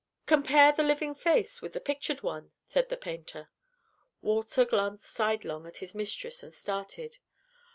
"Compare the living face with the pictured one," said the painter. Walter glanced sidelong at his mistress and started.